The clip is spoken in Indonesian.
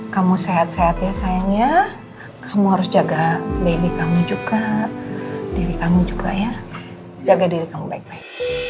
kamu sehat sehat ya sayangnya kamu harus jaga baby kamu juga diri kamu juga ya jaga diri kamu baik baik